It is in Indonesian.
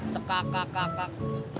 cekak cekak cekak